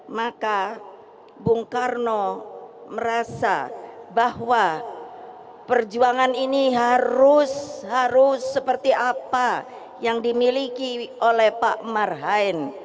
maka bung karno merasa bahwa perjuangan ini harus seperti apa yang dimiliki oleh pak marhain